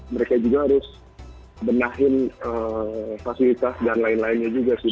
mereka juga harus benahin fasilitas dan lain lainnya juga sih